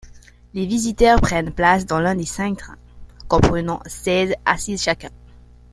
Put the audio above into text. Les visiteurs prennent place dans l'un des cinq trains, comprenant seize assises chacun.